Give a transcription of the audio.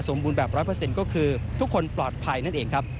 บูรณแบบ๑๐๐ก็คือทุกคนปลอดภัยนั่นเองครับ